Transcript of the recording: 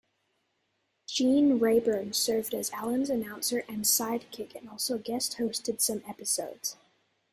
Gene Rayburn served as Allen's announcer and sidekick and also guest-hosted some episodes.